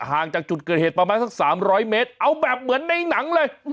ห่างจากจุดเกิดเหตุประมาณสัก๓๐๐เมตรเอาแบบเหมือนในหนังเลย